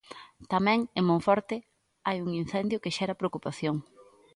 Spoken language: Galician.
Tamén en Monforte hai un incendio que xera preocupación.